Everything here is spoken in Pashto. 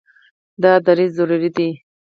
دا دریځ ضروري دی.